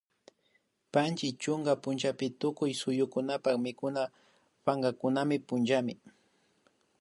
Panchi chunka punllapika tukuy suyukunapak mikuna pankakunapak punllami